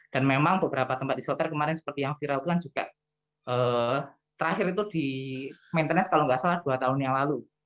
dan memang beberapa tempat isolater kemarin seperti yang viral itu kan juga terakhir itu di maintenance kalau tidak salah dua tahun yang lalu